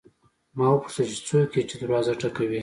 ما وپوښتل چې څوک یې چې دروازه ټکوي.